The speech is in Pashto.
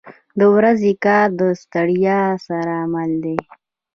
• د ورځې کار د ستړیا سره مل دی.